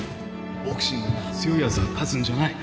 ボクシングはな強いやつが勝つんじゃない